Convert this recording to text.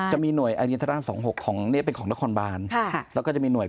จะมีหน่วยหะมีหน่วย